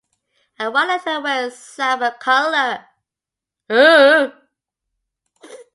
And why let her wear saffron colour?